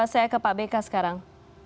saya ke pak beka sekarang